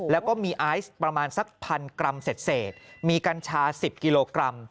แล้วก็มีไอซ์ประมาณสักพันกรัมเศษมีกัญชา๑๐กิโลกรัม